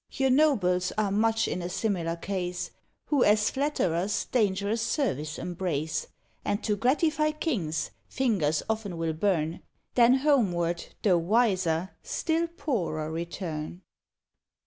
Your nobles are much in a similar case, Who as flatterers dangerous service embrace; And to gratify kings, fingers often will burn, Then homeward, though wiser, still poorer return.